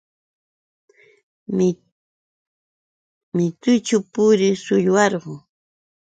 Mitućhu purir shullwarquu.